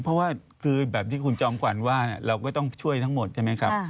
เพราะว่าคือแบบที่คุณจอมขวัญว่าเราก็ต้องช่วยทั้งหมดใช่ไหมครับ